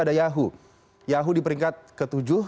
ada yahoo yahoo di peringkat ketujuh